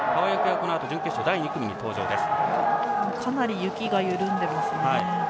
雪がかなり緩んでますね。